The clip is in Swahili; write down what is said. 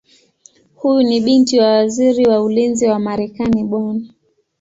Huyu ni binti wa Waziri wa Ulinzi wa Marekani Bw.